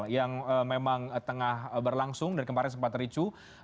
yang memang tengah berlangsung dan kemarin sempat ricu